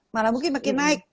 malah mungkin makin naik